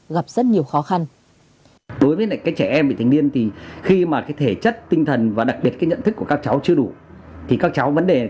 gặp rất nhiều khó khăn